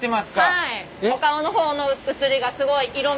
はい。